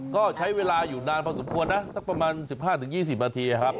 ก็ใช้เวลาอยู่นานพอสมควรนะสักประมาณ๑๕๒๐นาทีครับ